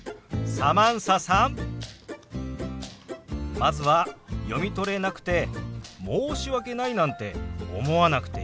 まずは読み取れなくて申し訳ないなんて思わなくていいんですよ。